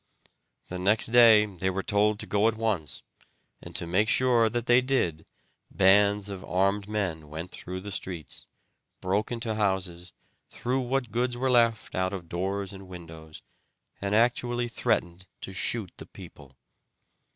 The next day they were told to go at once, and to make sure that they did bands of armed men went through the streets, broke into houses, threw what goods were left out of doors and windows, and actually threatened to shoot the people.